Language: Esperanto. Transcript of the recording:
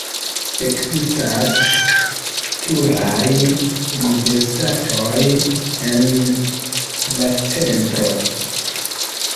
Ekzistas pluraj universitatoj en la centro.